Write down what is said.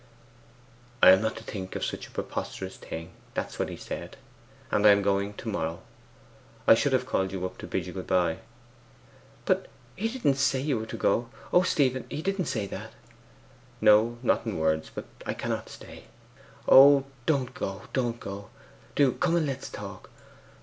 'I am not to think of such a preposterous thing that's what he said. And I am going to morrow. I should have called you up to bid you good bye.' 'But he didn't say you were to go O Stephen, he didn't say that?' 'No; not in words. But I cannot stay.' 'Oh, don't, don't go! Do come and let us talk.